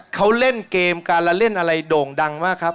เขาเล่นเกมการละเล่นอะไรโด่งดังมากครับ